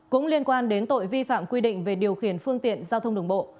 cũng liên quan đến tội vi phạm quy định về điều khiển phương tiện giao thông đường bộ